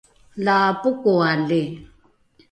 la pokoali?